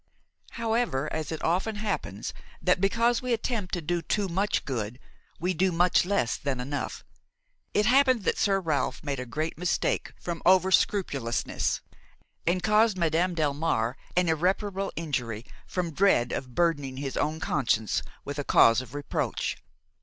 However, as it often happens that, because we attempt to do too much good, we do much less than enough, it happened that Sir Ralph made a great mistake from over scrupulousness and caused Madame Delmare an irreparable injury from dread of burdening his own conscience with a cause of reproach.